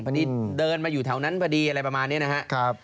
พอดีเดินมาอยู่แถวนั้นพอดีอะไรประมาณนี้นะครับ